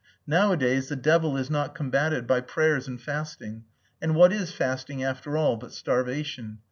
Nowadays the devil is not combated by prayers and fasting. And what is fasting after all but starvation.